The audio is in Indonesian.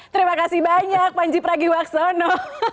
terima kasih banyak panji pragiwaksono